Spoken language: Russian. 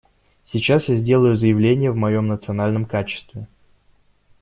Сейчас я сделаю заявление в моем национальном качестве.